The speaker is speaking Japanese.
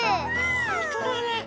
ほんとだね。